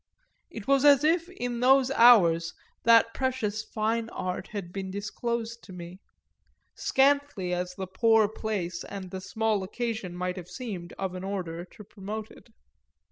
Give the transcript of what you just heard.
It was as if in those hours that precious fine art had been disclosed to me scantly as the poor place and the small occasion might have seemed of an order to promote it.